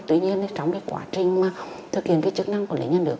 tuy nhiên trong quá trình thực hiện chức năng quản lý nhà nước